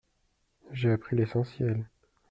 J’ai appris l’essentiel.